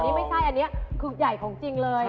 นี่ไม่ใช่อันนี้คือใหญ่ของจริงเลย